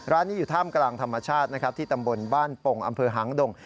ร้านนี้อยู่ท่ามกลางธรรมชาตินะครับที่ตำบลบ้านปงอำเภอหางดง